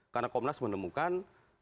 karena komnas menemukan